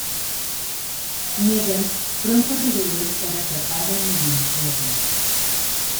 Meggan pronto reveló estar atrapada en el infierno.